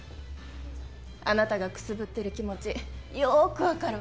あなたがくすぶってる気持ちよーくわかるわ。